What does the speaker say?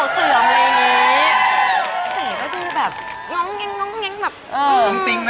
ใช่